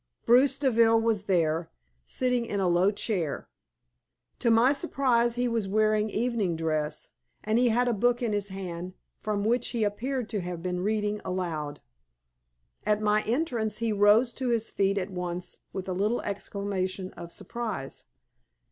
Bruce Deville was there, sitting in a low chair. To my surprise he was wearing evening dress, and he had a book in his hand, from which he appeared to have been reading aloud. At my entrance he rose to his feet at once with a little exclamation of surprise.